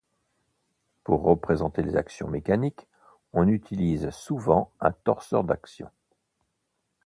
Pour représenter les actions mécaniques, on utilise souvent un torseur d'action.